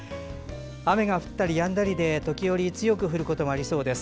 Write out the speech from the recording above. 雨が降ったりやんだりで時折、強く降ることがありそうです。